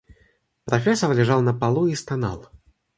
Профессор лежал на полу и стонал.